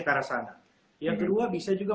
ke arah sana yang kedua bisa juga